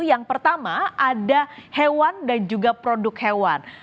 yang pertama ada hewan dan juga produk hewan